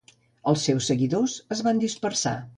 Els seus seguidors es van dispersar.